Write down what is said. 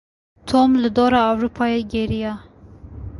Tom li dora Ewropayê geriya.